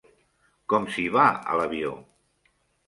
Com s'hi va, a l'avió?